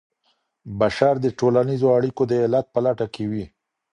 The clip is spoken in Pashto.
بشر د ټولنيزو اړيکو د علت په لټه کي وي.